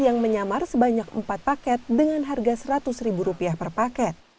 yang menyamar sebanyak empat paket dengan harga rp seratus per paket